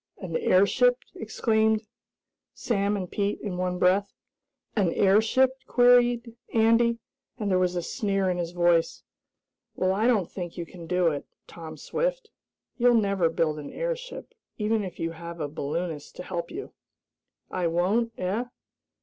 "An airship?" exclaimed Sam and Pete in one breath. "An airship?" queried Andy, and there was a sneer in his voice. "Well, I don't think you can do it, Tom Swift! You'll never build an airship; even if you have a balloonist to help you!" "I won't, eh?"